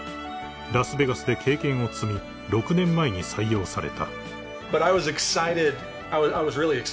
［ラスベガスで経験を積み６年前に採用された］